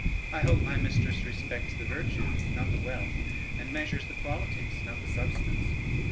I hope my mistress respects the virtues not the wealth, and measures the qualities not the substance.